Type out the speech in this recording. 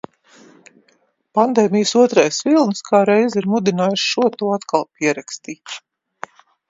Pandēmijas otrais vilnis kā reiz ir mudinājis šo to atkal pierakstīt.